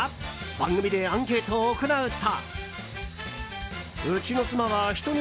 番組でアンケートを行うと。